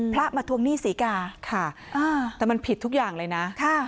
พระมาทวงหนี้ศรีกาค่ะแต่มันผิดทุกอย่างเลยนะ